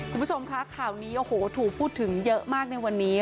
คุณผู้ชมคะข่าวนี้โอ้โหถูกพูดถึงเยอะมากในวันนี้